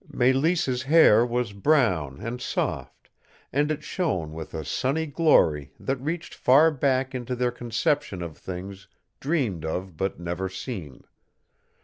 Melisse's hair was brown and soft, and it shone with a sunny glory that reached far back into their conception of things dreamed of but never seen.